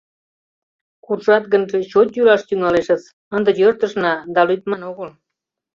— Куржат гынже, чот йӱлаш тӱҥалешыс; ынде йӧртышна, да лӱдман огыл.